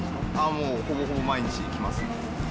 もう、ほぼほぼ毎日来ます。